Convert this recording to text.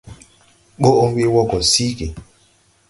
Ɓɔʼn we wɔ gɔ siigi.